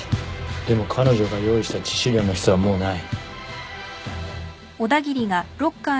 でも彼女が用意した致死量のヒ素はもうない。